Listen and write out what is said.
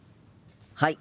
はい。